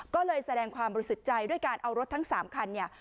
ก็เลยแสดงความบริสุทธิ์ใจด้วยการเอารถทั้ง๓คันเนี่ย